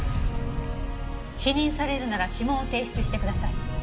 否認されるなら指紋を提出してください。